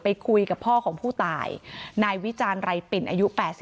ไปคุยกับพ่อของผู้ตายนายวิจารณ์ไรปิ่นอายุ๘๒